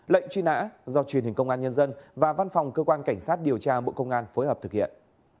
lệnh truy nã do truyền hình công an nhân dân và văn phòng cơ quan cảnh sát điều tra bộ công an phối hợp thực hiện